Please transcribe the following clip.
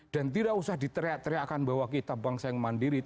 tidak usah diteriak teriakan bahwa kita bangsa yang mandiri